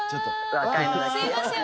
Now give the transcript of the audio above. すいません。